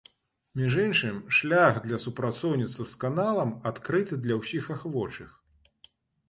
Між іншым, шлях для супрацоўніцтва з каналам адкрыты для ўсіх ахвочых.